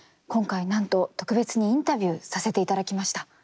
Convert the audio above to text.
今回なんと特別にインタビューさせていただきました。